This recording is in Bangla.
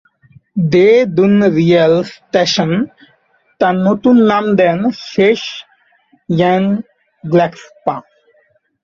দ্গে-'দুন-র্গ্যাল-ম্ত্শান তার নতুন নাম দেন ব্শেস-গ্ন্যেন-গ্রাগ্স-পা।